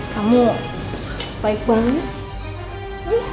kamu baik banget